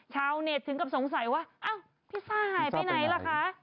ชาวเน็ตถึงกับสงสัยว่าอ้าวพิซซ่าหายไปไหนล่ะคะ